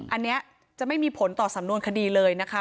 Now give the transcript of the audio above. อันนี้จะไม่มีผลต่อสำนวนคดีเลยนะคะ